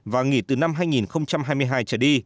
và nghỉ từ năm hai nghìn hai mươi hai trở đi